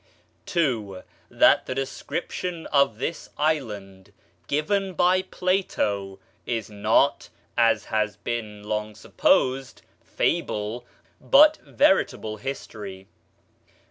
2. That the description of this island given by Plato is not, as has been long supposed, fable, but veritable history.